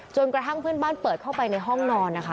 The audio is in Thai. กระทั่งเพื่อนบ้านเปิดเข้าไปในห้องนอนนะคะ